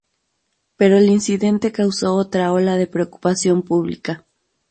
Pero el incidente causó otra ola de preocupación pública.